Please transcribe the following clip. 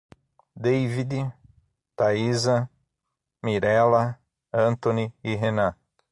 Deivide, Thaisa, Mirella, Antony e Renam